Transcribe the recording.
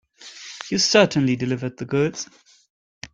You certainly delivered the goods.